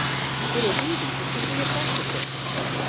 It is easy to see the effect of this.